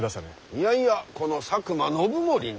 いやいやこの佐久間信盛に。